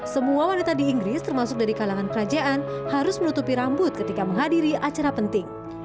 semua wanita di inggris termasuk dari kalangan kerajaan harus menutupi rambut ketika menghadiri acara penting